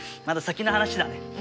まだ先の話だね。